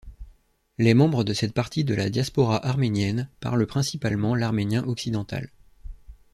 Les membres de cette partie de la diaspora arménienne parlent principalement l'arménien occidental.